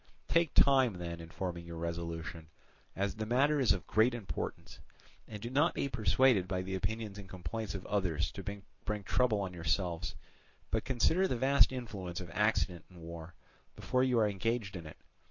"Take time then in forming your resolution, as the matter is of great importance; and do not be persuaded by the opinions and complaints of others to bring trouble on yourselves, but consider the vast influence of accident in war, before you are engaged in it.